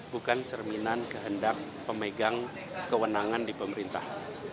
bukan cerminan kehendak pemegang kewenangan di pemerintah